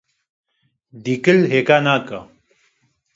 Dîkil hêka neke.